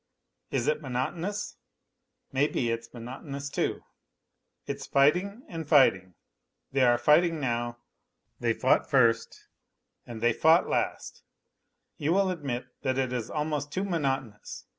Is it monotonous ? May be it's monotonous too : it's fighting and fighting; they are fighting now, they fought first and they fought last you will admit, that it is almost too monotonous.